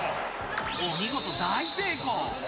お見事、大成功。